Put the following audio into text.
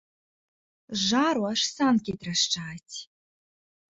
Жару, аж санкі трашчаць.